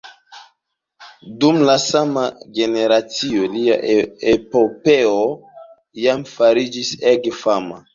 Dum la sama generacio lia epopeo jam fariĝis ege fama.